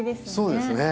そうですね。